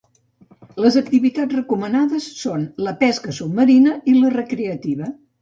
Les activitats recomanades són la pesca submarina i la recreativa.